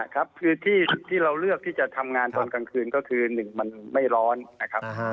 ครับคือที่เราเลือกที่จะทำงานตอนกลางคืนก็คือ๑มันไม่ร้อนนะครับ